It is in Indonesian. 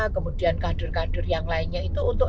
kemudian kadir kadir yang lainnya itu untuk